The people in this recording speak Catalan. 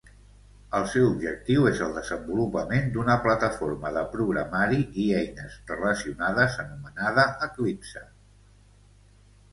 El seu objectiu és el desenvolupament d'una plataforma de programari i eines relacionades anomenada Eclipse.